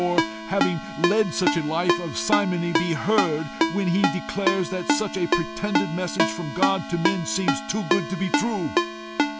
or, having led such a life of simony, be heard when he declares that such a pretended message from God to men seems too good to be true?